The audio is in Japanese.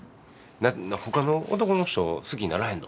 ほかの男の人好きにならへんの？